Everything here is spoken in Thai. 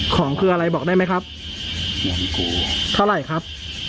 ของคืออะไรบอกได้ไหมครับเท่าไหร่ครับ